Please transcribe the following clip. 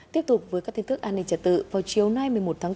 tiếp tục với các tin tức an ninh trật tự vào chiều nay một mươi một tháng bốn